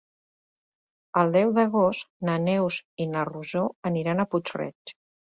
El deu d'agost na Neus i na Rosó aniran a Puig-reig.